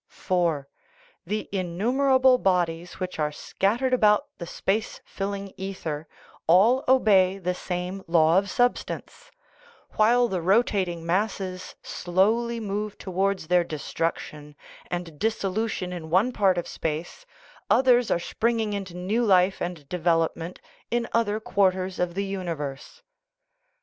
(4) The innumerable bodies which are scat tered about the space filling ether all obey the same " law of substance;" while the rotating masses slowly move towards their destruction and dissolution in one part of space others are springing into new life and development in other quarters of the universe.